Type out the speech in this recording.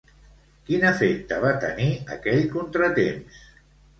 Quin efecte va tenir aquell contratemps?